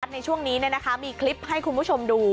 ในช่วงนี้มีคลิปให้คุณผู้ชมดู